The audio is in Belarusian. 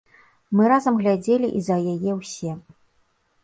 Мы разам глядзелі і за яе ўсе.